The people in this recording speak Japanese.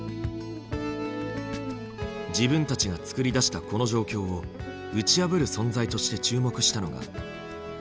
自分たちが作り出したこの状況を打ち破る存在として注目したのが次世代の若者たちでした。